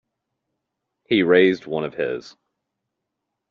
He raised one of his.